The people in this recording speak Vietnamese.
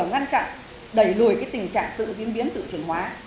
ngăn chặn đẩy lùi tình trạng tự diễn biến tự chuyển hóa